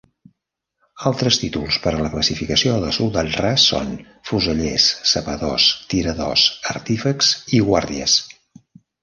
Altres títols per a la classificació de soldat ras són fusellers, sapadors, tiradors, artífex i guàrdies.